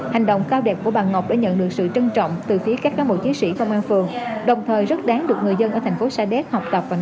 hành động cao đẹp của bà ngọc đã nhận được sự trân trọng từ phía các cáo mộ chiến sĩ công an phường